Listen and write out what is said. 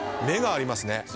目がありますね。